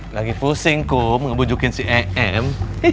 lagi pusing kok ngebujukin si em